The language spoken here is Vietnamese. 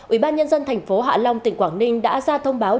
ủy ban nhân dân thành phố hạ long tỉnh quảng ninh đã ra thông báo